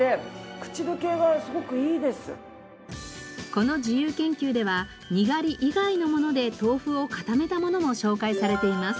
この自由研究ではにがり以外のもので豆腐を固めたものも紹介されています。